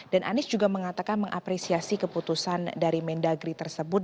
dan anies juga mengatakan mengapresiasi keputusan dari mendagri tersebut